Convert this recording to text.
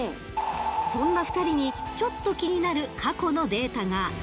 ［そんな２人にちょっと気になる過去のデータが］